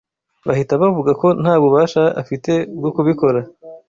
bahita bavuga ko nta bubasha afite bwo kubikora